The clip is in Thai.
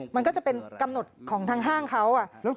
มันก็จะเป็นกำหนดของทางห้างเขา